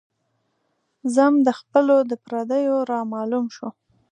ذم د خپلو د پرديو را معلوم شو